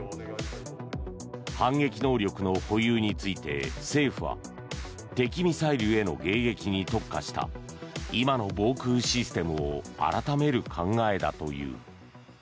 反撃能力の保有について政府は敵ミサイルへの迎撃に特化した今の防空システムを改める考えだという。